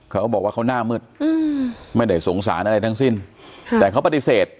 เขาบอกว่าเขาหน้ามืดอืมไม่ได้สงสารอะไรทั้งสิ้นแต่เขาปฏิเสธ